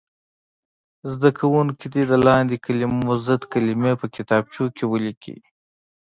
زده کوونکي دې د لاندې کلمو ضد کلمې په کتابچو کې ولیکي.